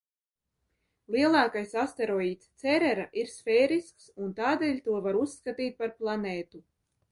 Lielākais asteroīds, Cerera, ir sfērisks un tādēļ to var uzskatīt par planētu.